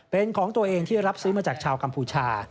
เป็นของตัวเองที่รับซื้อมาจากชาวกัมพูชา